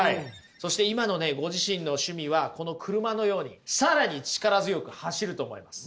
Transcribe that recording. そして今のご自身の趣味はこの車のように更に力強く走ると思います。